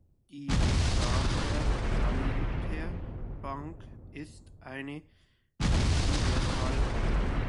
Die Gabler-Saliter-Bank ist eine Universalbank.